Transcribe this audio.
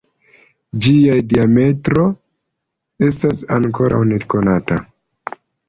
Ĝiaj diametro estas ankoraŭ nekonata.